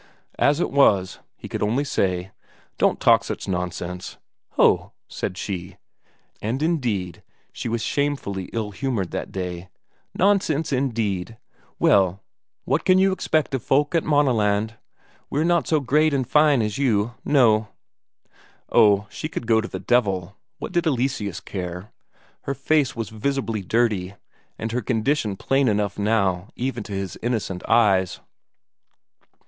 As it was, he could only say: "Don't talk such nonsense!" "Ho," said she and indeed she was shamefully ill humoured today "nonsense, indeed! Well, what can you expect of folk at Maaneland? we're not so great and fine as you no." Oh, she could go to the devil, what did Eleseus care; her face was visibly dirty, and her condition plain enough now even to his innocent eyes.